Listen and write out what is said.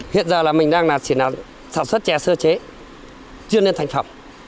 hiện giờ là mình đang chỉ là sản xuất chè sơ chế chưa nên thành phẩm